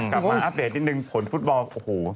มาอัปเดตนิดนึงผลฟุตบอลโอ้โห